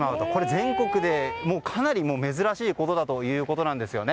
全国でもかなり珍しいことだということです。